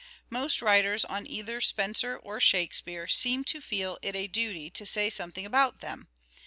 Most writers on either Spenser or Shakespeare seem to feel it a duty to say something about them.